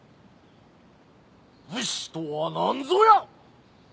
武士とは何ぞや！